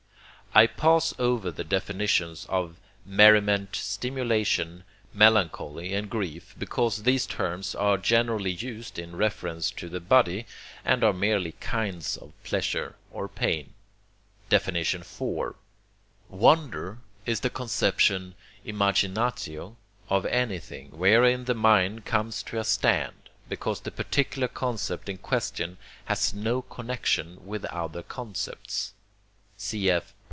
I pass over the definitions of merriment, stimulation, melancholy, and grief, because these terms are generally used in reference to the body, and are merely kinds of pleasure or pain. IV. Wonder is the conception (imaginatio) of anything, wherein the mind comes to a stand, because the particular concept in question has no connection with other concepts (cf.